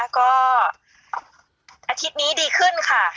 ก็อาทิตย์นี้ดีขึ้นค่ะ